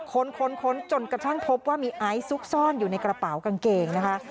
ค้นจนกระทั่งพบว่ามีไอซ์ซุกซ่อนอยู่ในกระเป๋ากางเกงนะคะ